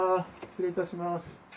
失礼いたします。